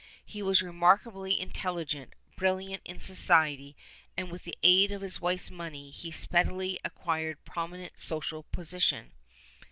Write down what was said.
He was remarkably intelligent, brilliant in society, and, with the aid of his wife's money, he speedily acquired prominent social position.